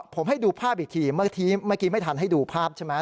ผมให้ดูภาพอีกทีเมื่อกี้เมื่อกี้ไม่ทันให้ดูภาพใช่ไหม